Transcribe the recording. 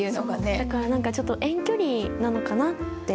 だから何かちょっと遠距離なのかなって思いました。